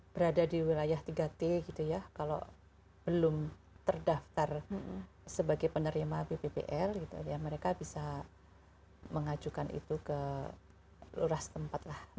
berada di wilayah tiga t gitu ya kalau belum terdaftar sebagai penerima bppl gitu ya mereka bisa mengajukan itu ke lurah setempat lah